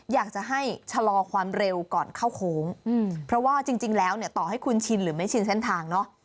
อยากจะให้ชะลอความเร็วก่อนเข้าโค้งเพราะว่าจริงแล้วเนี่ยต่อให้คุณชินหรือไม่ชินเส้นทางเนาะ